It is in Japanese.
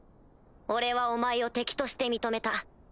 俺はお前を敵として認めた。